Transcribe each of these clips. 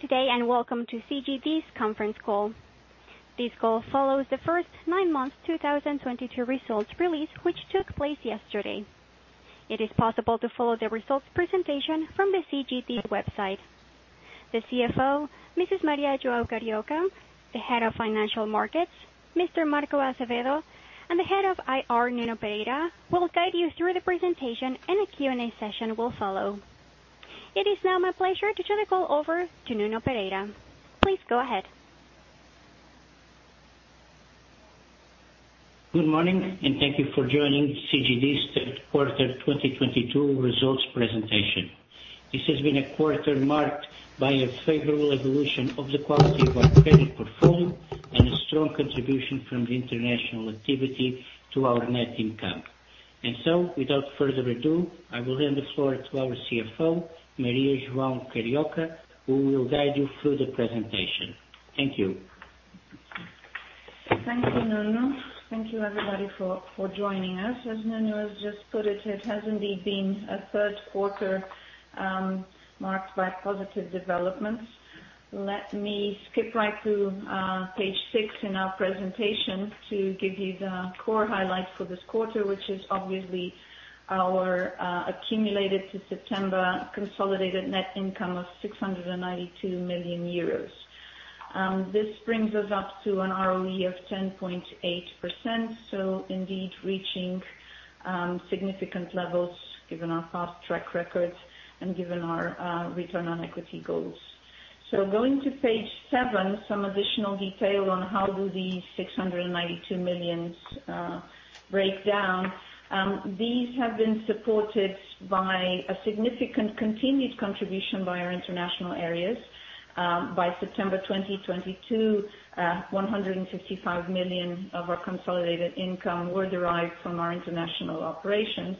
Good day, and welcome to CGD's Conference Call. This call follows the first nine months 2022 results release, which took place yesterday. It is possible to follow the results presentation from the CGD website. The CFO, Mrs. Maria João Carioca, the Head of Financial Markets, Mr. Marco Azevedo, and the Head of IR, Nuno Pereira, will guide you through the presentation, and a Q&A session will follow. It is now my pleasure to turn the call over to Nuno Pereira. Please go ahead. Good morning, and thank you for joining CGD's Q3 2022 Results Presentation. This has been a quarter marked by a favorable evolution of the quality of our credit portfolio and a strong contribution from the international activity to our net income. Without further ado, I will hand the floor to our CFO, Maria João Carioca, who will guide you through the presentation. Thank you. Thank you, Nuno. Thank you, everybody, for joining us. As Nuno has just put it has indeed been a Q3 marked by positive developments. Let me skip right to page six in our presentation to give you the core highlights for this quarter, which is obviously our accumulated to September consolidated net income of 692 million euros. This brings us up to an ROE of 10.8%, so indeed reaching significant levels given our past track records and given our return on equity goals. Going to page seven, some additional detail on how do these 692 million break down. These have been supported by a significant continued contribution by our international areas. By September 2022, 155 million of our consolidated income were derived from our international operations.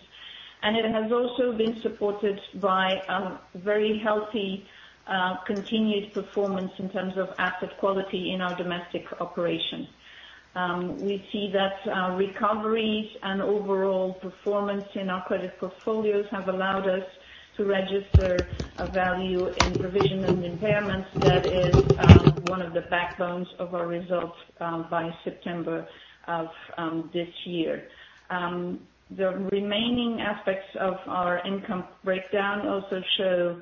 It has also been supported by a very healthy, continued performance in terms of asset quality in our domestic operations. We see that recoveries and overall performance in our credit portfolios have allowed us to register a value in provision and impairments that is one of the backbones of our results by September of this year. The remaining aspects of our income breakdown also show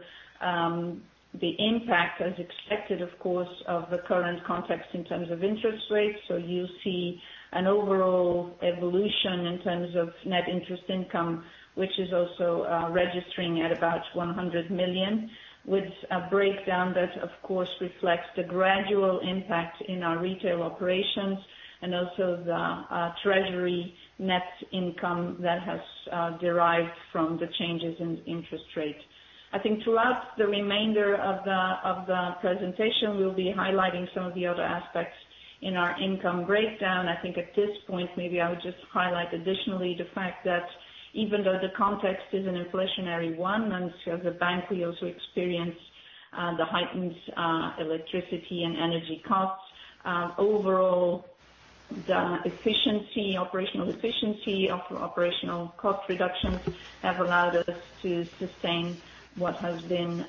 the impact, as expected, of course, of the current context in terms of interest rates. You see an overall evolution in terms of net interest income, which is also registering at about 100 million, with a breakdown that of course reflects the gradual impact in our retail operations and also the treasury net income that has derived from the changes in interest rates. I think throughout the remainder of the presentation, we'll be highlighting some of the other aspects in our income breakdown. I think at this point, maybe I would just highlight additionally the fact that even though the context is an inflationary one, and as a bank we also experience the heightened electricity and energy costs. Overall the efficiency, operational efficiency of operational cost reductions have allowed us to sustain what has been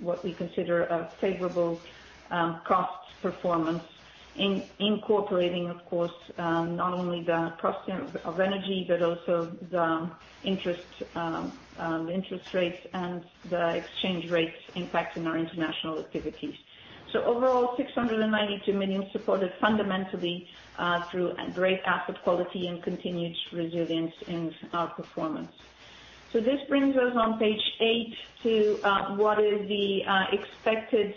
what we consider a favorable cost performance in incorporating, of course, not only the cost of energy, but also the interest rates and the exchange rates impacting our international activities. Overall, 692 million supported fundamentally through great asset quality and continued resilience in our performance. This brings us on page eight to what is the expected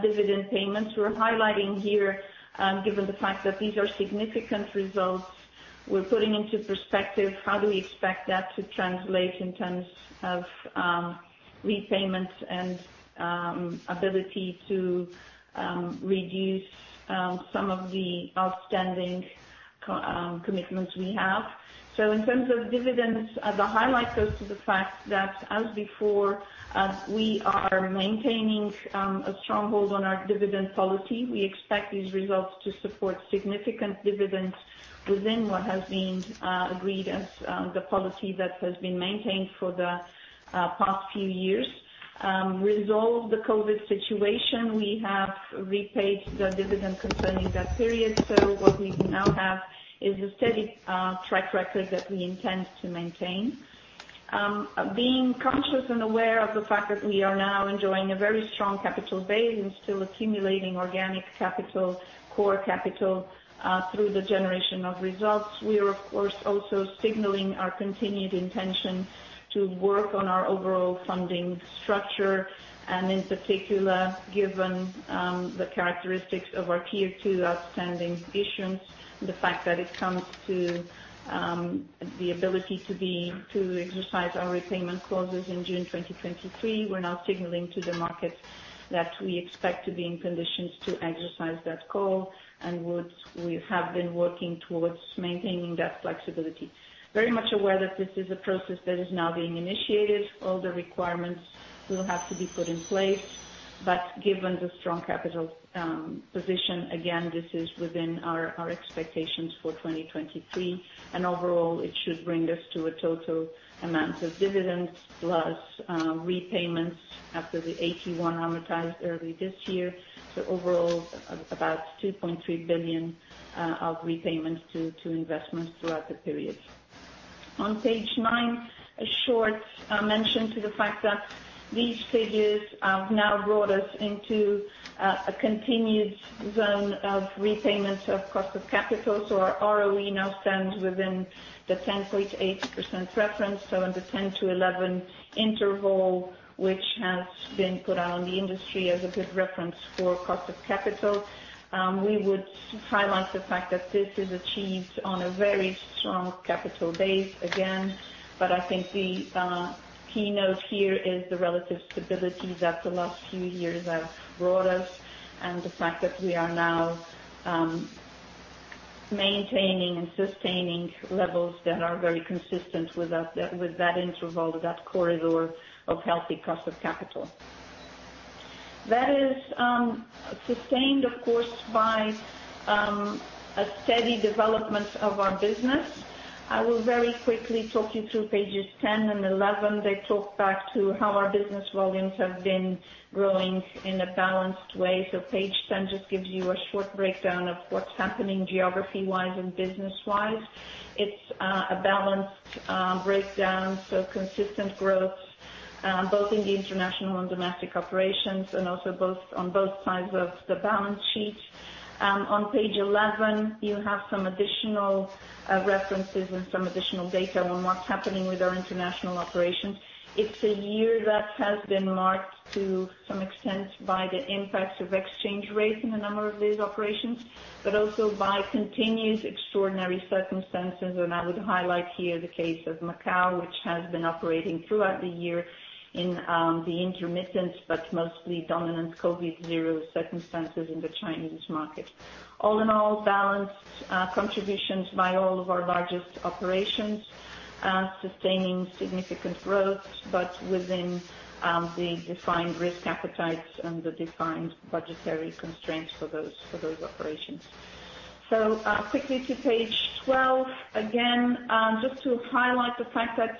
dividend payments. We're highlighting here, given the fact that these are significant results, we're putting into perspective how do we expect that to translate in terms of repayments and ability to reduce some of the outstanding commitments we have. In terms of dividends, the highlight goes to the fact that, as before, we are maintaining a stronghold on our dividend policy. We expect these results to support significant dividends within what has been agreed as the policy that has been maintained for the past few years. Regarding the COVID situation, we have repaid the dividend concerning that period. What we now have is a steady track record that we intend to maintain. Being conscious and aware of the fact that we are now enjoying a very strong capital base and still accumulating organic capital, core capital, through the generation of results, we are of course also signaling our continued intention to work on our overall funding structure. In particular, given the characteristics of our Tier 2 outstanding issuance, the fact that it comes to the ability to exercise our repayment clauses in June 2023, we're now signaling to the market that we expect to be in conditions to exercise that call and we have been working towards maintaining that flexibility. Very much aware that this is a process that is now being initiated. All the requirements will have to be put in place. Given the strong capital position, again, this is within our expectations for 2023. Overall, it should bring us to a total amount of dividends plus repayments after the AT1 amortized early this year. Overall, about 2.3 billion of repayments to investors throughout the period. On page nine, a short mention of the fact that these figures have now brought us into a continued zone of returns above cost of capital. Our ROE now stands within the 10.8% reference, so in the 10%-11% interval, which has been put out on the industry as a good reference for cost of capital. We would highlight the fact that this is achieved on a very strong capital base, again. I think the key note here is the relative stability that the last few years have brought us, and the fact that we are now maintaining and sustaining levels that are very consistent with that, with that interval, that corridor of healthy cost of capital. That is sustained, of course, by a steady development of our business. I will very quickly talk you through pages 10 and 11. They talk back to how our business volumes have been growing in a balanced way. Page 10 just gives you a short breakdown of what's happening geography-wise and business-wise. It's a balanced breakdown, so consistent growth, both in the international and domestic operations, and also on both sides of the balance sheet. On page 11, you have some additional references and some additional data on what's happening with our international operations. It's a year that has been marked to some extent by the impacts of exchange rates in a number of these operations, but also by continuous extraordinary circumstances, and I would highlight here the case of Macau, which has been operating throughout the year in the intermittent but mostly dominant COVID zero circumstances in the Chinese market. All in all, balanced contributions by all of our largest operations sustaining significant growth, but within the defined risk appetites and the defined budgetary constraints for those operations. Quickly to page 12. Again, just to highlight the fact that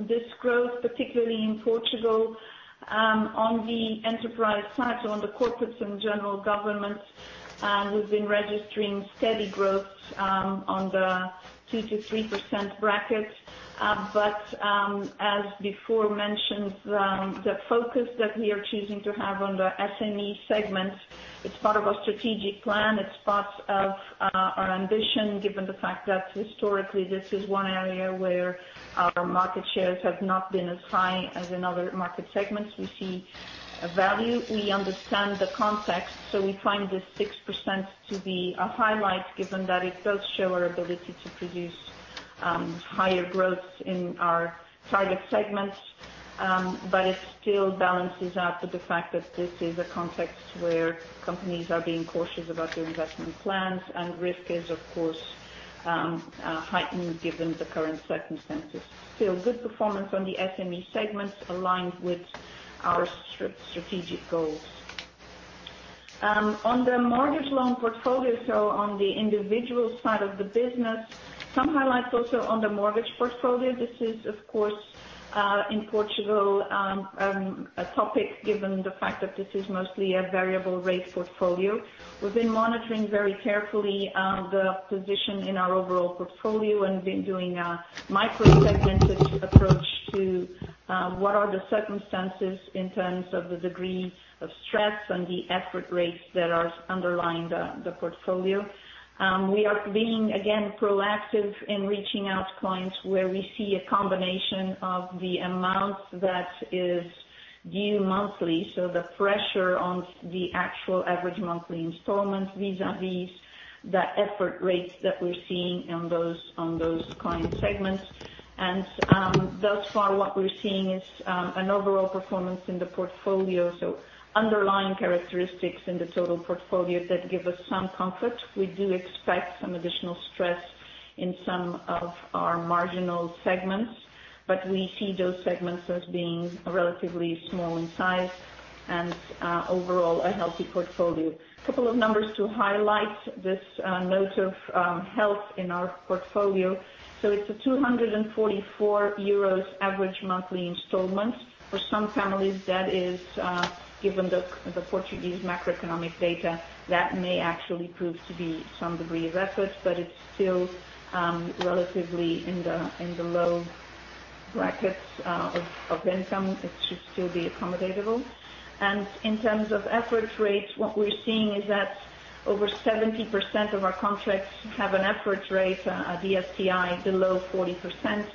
this growth, particularly in Portugal, on the enterprise side, so on the corporates and general governments, we've been registering steady growth on the 2%-3% bracket. As before mentioned, the focus that we are choosing to have on the SME segment, it's part of our strategic plan, it's part of our ambition, given the fact that historically, this is one area where our market shares have not been as high as in other market segments. We see a value, we understand the context, so we find this 6% to be a highlight, given that it does show our ability to produce higher growth in our target segments. It still balances out to the fact that this is a context where companies are being cautious about their investment plans, and risk is, of course, heightened given the current circumstances. Still good performance on the SME segment, aligned with our strategic goals. On the mortgage loan portfolio, on the individual side of the business, some highlights also on the mortgage portfolio. This is, of course, in Portugal, a topic given the fact that this is mostly a variable rate portfolio. We've been monitoring very carefully, the position in our overall portfolio and been doing a micro-segmented approach to, what are the circumstances in terms of the degree of stress and the effort rates that are underlying the portfolio. We are being, again, proactive in reaching out to clients where we see a combination of the amount that is due monthly, so the pressure on the actual average monthly installments vis-à-vis the effort rates that we're seeing on those client segments. Thus far, what we're seeing is an overall performance in the portfolio, so underlying characteristics in the total portfolio that give us some comfort. We do expect some additional stress in some of our marginal segments, but we see those segments as being relatively small in size and overall a healthy portfolio. Couple of numbers to highlight this note of health in our portfolio. It's 244 euros average monthly installment. For some families, that is, given the Portuguese macroeconomic data, that may actually prove to be some degree of effort, but it's still relatively in the low brackets of income. It should still be accommodatable. In terms of effort rates, what we're seeing is that over 70% of our contracts have an effort rate, a DSTI below 40%.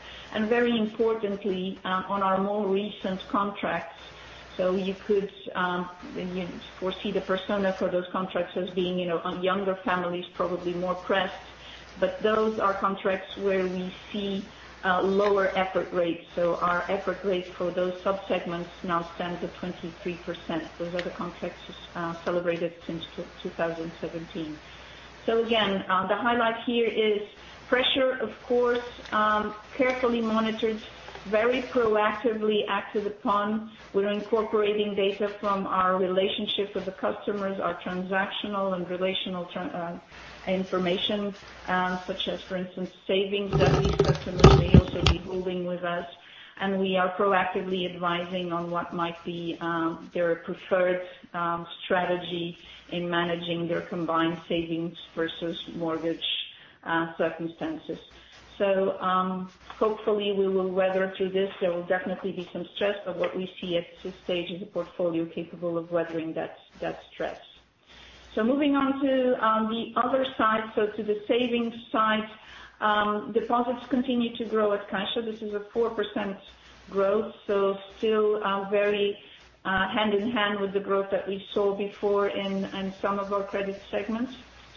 Very importantly, on our more recent contracts, you could foresee the persona for those contracts as being, you know, younger families, probably more pressed. Those are contracts where we see lower effort rates. Our effort rates for those subsegments now stands at 23%. Those are the contracts celebrated since 2017. Again, the highlight here is pressure, of course, carefully monitored, very proactively acted upon. We're incorporating data from our relationship with the customers, our transactional and relational information, such as, for instance, savings that these customers may also be holding with us. We are proactively advising on what might be their preferred strategy in managing their combined savings versus mortgage circumstances. Hopefully we will weather through this. There will definitely be some stress, but what we see at this stage is a portfolio capable of weathering that stress. Moving on to the other side, to the savings side, deposits continue to grow at Caixa. This is a 4% growth, still very hand in hand with the growth that we saw before in some of our credit segments.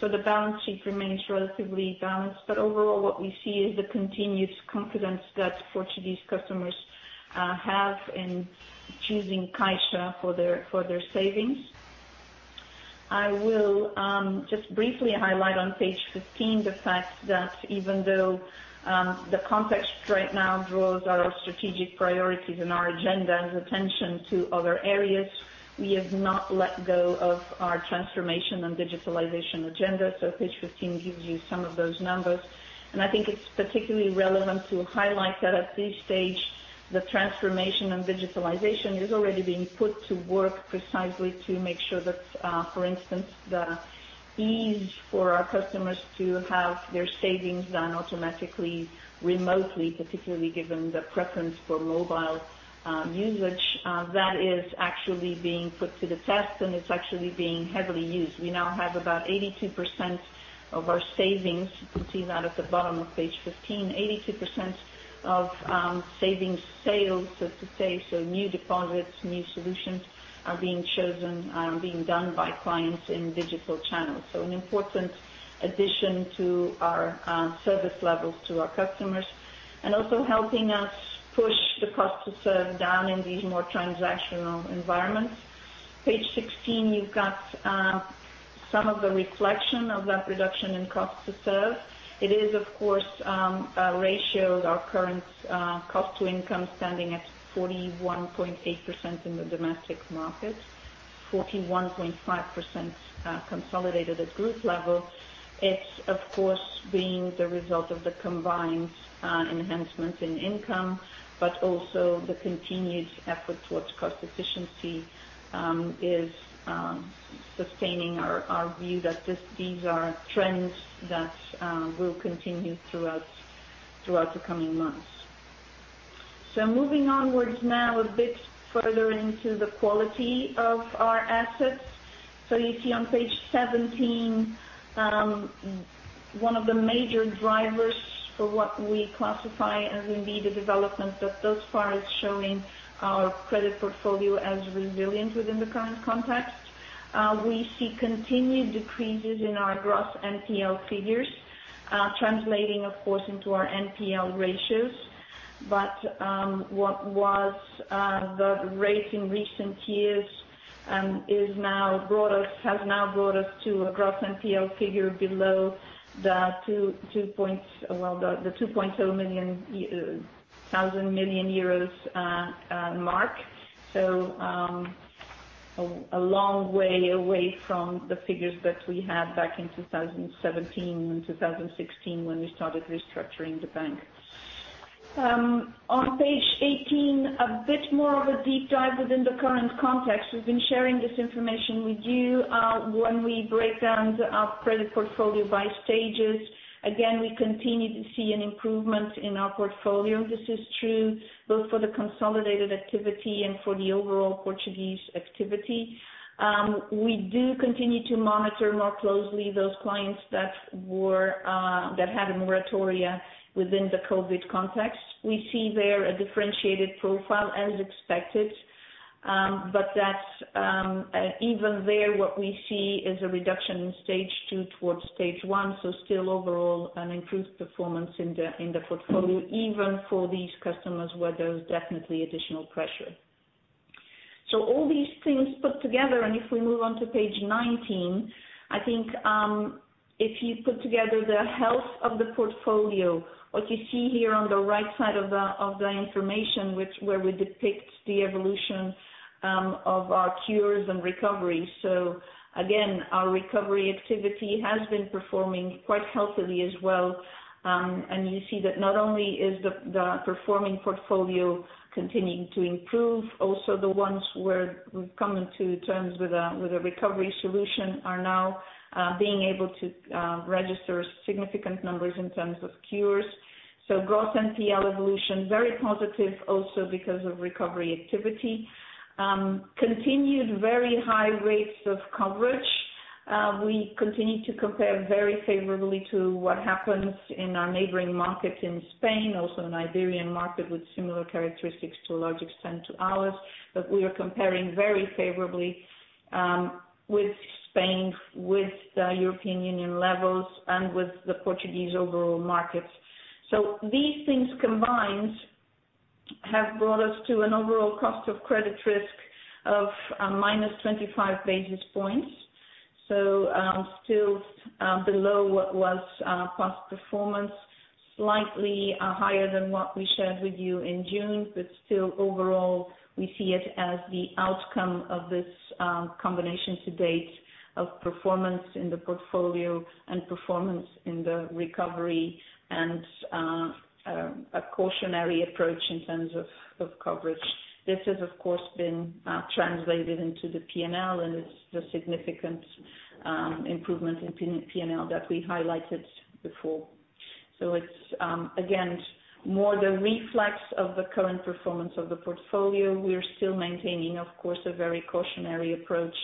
The balance sheet remains relatively balanced. Overall, what we see is the continuous confidence that Portuguese customers have in choosing Caixa for their savings. I will just briefly highlight on page 15 the fact that even though the context right now draws our strategic priorities and our agenda and attention to other areas, we have not let go of our transformation and digitalization agenda. Page 15 gives you some of those numbers, and I think it's particularly relevant to highlight that at this stage, the transformation and digitalization is already being put to work precisely to make sure that, for instance, the ease for our customers to have their savings done automatically, remotely, particularly given the preference for mobile usage, that is actually being put to the test, and it's actually being heavily used. We now have about 82% of our savings. You can see that at the bottom of page 15. 82% of savings sales, so to say, so new deposits, new solutions are being chosen, being done by clients in digital channels. An important addition to our service levels to our customers and also helping us push the cost to serve down in these more transactional environments. Page 16, you've got some of the reflection of that reduction in cost to serve. It is, of course, a ratio of our current cost to income standing at 41.8% in the domestic market, 41.5%, consolidated at group level. It's of course, being the result of the combined enhancements in income, but also the continued effort towards cost efficiency, is sustaining our view that these are trends that will continue throughout the coming months. Moving onwards now a bit further into the quality of our assets. You see on page 17, one of the major drivers for what we classify as indeed a development that thus far is showing our credit portfolio as resilient within the current context. We see continued decreases in our gross NPL figures, translating of course, into our NPL ratios. But what was the rate in recent years is now has brought us to a gross NPL figure below the 2.0 billion euros mark. A long way away from the figures that we had back in 2017 and 2016 when we started restructuring the bank. On page 18, a bit more of a deep dive within the current context. We've been sharing this information with you when we break down our credit portfolio by stages. Again, we continue to see an improvement in our portfolio. This is true both for the consolidated activity and for the overall Portuguese activity. We do continue to monitor more closely those clients that had a moratorium within the COVID context. We see there a differentiated profile as expected. Even there what we see is a reduction in stage two towards stage one. Still overall an improved performance in the portfolio, even for these customers where there is definitely additional pressure. All these things put together, and if we move on to page 19, I think, if you put together the health of the portfolio, what you see here on the right side of the information where we depict the evolution of our cures and recovery. Again, our recovery activity has been performing quite healthily as well. And you see that not only is the performing portfolio continuing to improve, also the ones where we've come into terms with a recovery solution are now being able to register significant numbers in terms of cures. Gross NPL evolution, very positive also because of recovery activity. Continued very high rates of coverage. We continue to compare very favorably to what happens in our neighboring market in Spain, also an Iberian market with similar characteristics to a large extent to ours. We are comparing very favorably with Spain, with the European Union levels, and with the Portuguese overall markets. These things combined have brought us to an overall cost of credit risk of -25 basis points. Still below what was past performance, slightly higher than what we shared with you in June, but still overall, we see it as the outcome of this combination to date of performance in the portfolio and performance in the recovery and a cautionary approach in terms of coverage. This has, of course, been translated into the P&L and it's the significant improvement in P&L that we highlighted before. It's again more the reflection of the current performance of the portfolio. We are still maintaining, of course, a very cautionary approach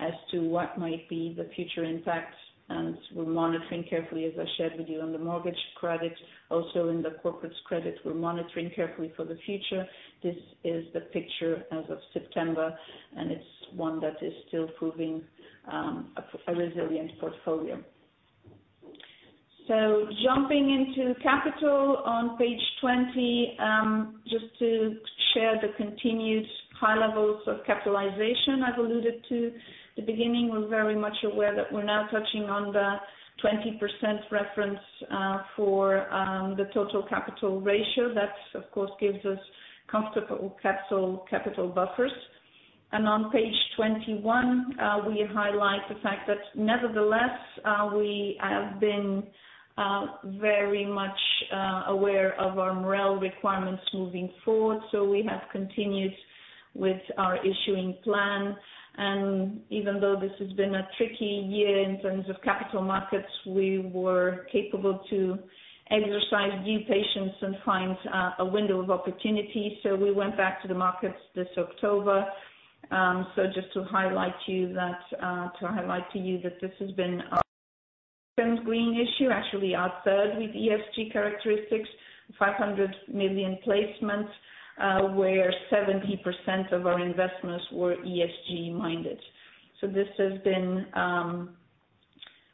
as to what might be the future impact, and we're monitoring carefully, as I shared with you on the mortgage credit, also in the corporate credit, we're monitoring carefully for the future. This is the picture as of September, and it's one that is still proving a resilient portfolio. Jumping into capital on page 20, just to share the continued high levels of capitalization I've alluded to. We're very much aware that we're now touching on the 20% reference for the total capital ratio. That, of course, gives us comfortable capital buffers. On page 21, we highlight the fact that nevertheless, we have been very much aware of our MREL requirements moving forward. We have continued with our issuing plan, and even though this has been a tricky year in terms of capital markets, we were capable to exercise due patience and find a window of opportunity. We went back to the markets this October. Just to highlight to you that this has been our green issue, actually our third with ESG characteristics, 500 million placements, where 70% of our investments were ESG-minded. This has been,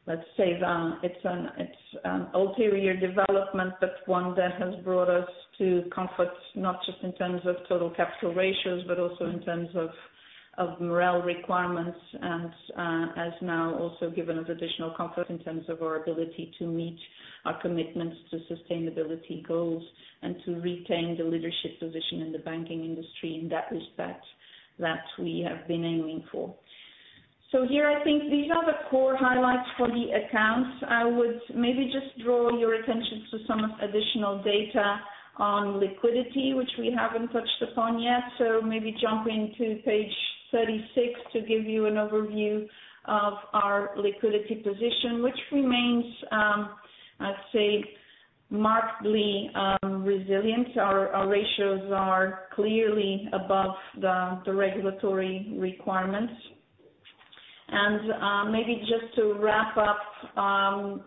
let's say, it's an ulterior development, but one that has brought us to comfort, not just in terms of total capital ratios, but also in terms of MREL requirements, and has now also given us additional comfort in terms of our ability to meet our commitments to sustainability goals and to retain the leadership position in the banking industry in that respect that we have been aiming for. Here, I think these are the core highlights for the accounts. I would maybe just draw your attention to some additional data on liquidity, which we haven't touched upon yet. Maybe jumping to page 36 to give you an overview of our liquidity position, which remains, I'd say markedly, resilient. Our ratios are clearly above the regulatory requirements. Maybe just to wrap up on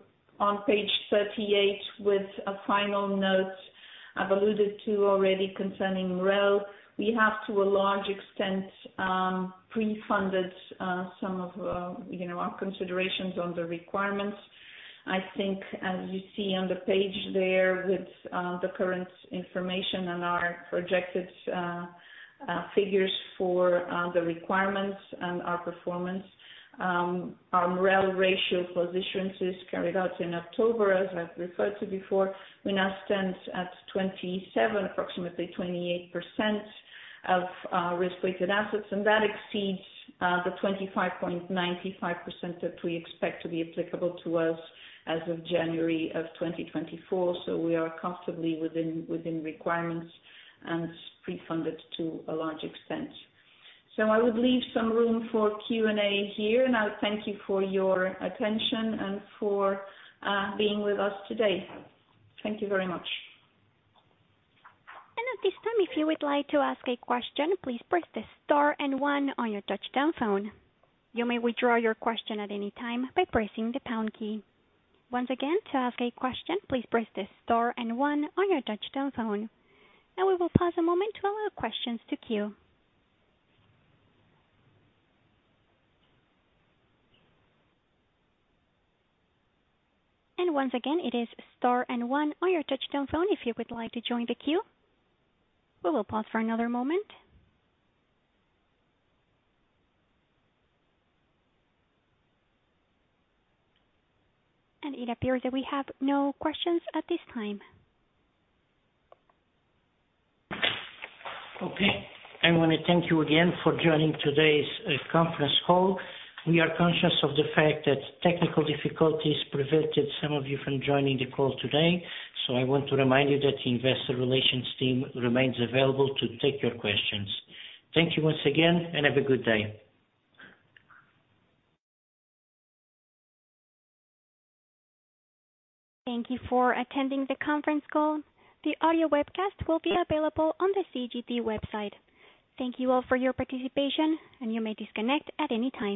page 38 with a final note I've alluded to already concerning MREL. We have to a large extent pre-funded some of you know our considerations on the requirements. I think as you see on the page there with the current information and our projected figures for the requirements and our performance, our MREL ratio for issuances carried out in October, as I've referred to before, we now stand at 27, approximately 28% of risk-weighted assets, and that exceeds the 25.95% that we expect to be applicable to us as of January of 2024. We are comfortably within requirements and pre-funded to a large extent. I would leave some room for Q&A here, and I thank you for your attention and for being with us today. Thank you very much. At this time, if you would like to ask a question, please press star and one on your touchtone phone. You may withdraw your question at any time by pressing the pound key. Once again, to ask a question, please press star and one on your touchtone phone. We will pause a moment to allow questions to queue. Once again, it is star and one on your touchtone phone if you would like to join the queue. We will pause for another moment. It appears that we have no questions at this time. Okay. I wanna thank you again for joining today's conference call. We are conscious of the fact that technical difficulties prevented some of you from joining the call today. I want to remind you that the investor relations team remains available to take your questions. Thank you once again, and have a good day. Thank you for attending the conference call. The audio webcast will be available on the CGD website. Thank you all for your participation, and you may disconnect at any time.